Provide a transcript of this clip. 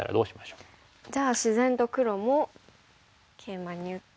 じゃあ自然と黒もケイマに打って。